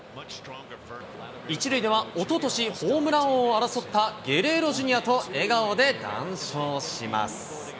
１塁ではおととしホームラン王を争ったゲレーロＪｒ．と笑顔で談笑します。